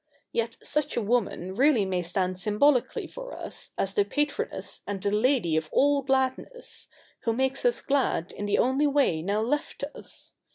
Yet such a woman really may stand symbolically for us as the patroness and the lady of all gladness, who makes us glad in the only way now left us.